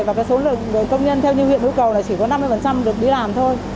và số lượng công nhân theo như hiện hữu cầu là chỉ có năm mươi được đi làm thôi